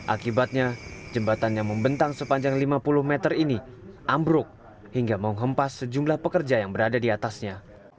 akibatnya jembatan yang membentang sepanjang lima puluh meter ini ambruk hingga menghempas sejumlah pekerja yang berada di atasnya